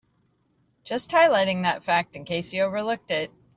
Just highlighting that fact in case you overlooked it.